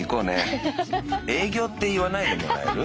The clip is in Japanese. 「営業」って言わないでもらえる？